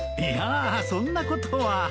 いやぁそんなことは。